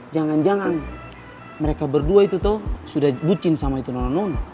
jangan jangan mereka berdua itu tau sudah bucin sama itu nono nono